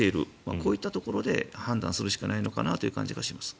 こういったところで判断するしかないのかなという感じがします。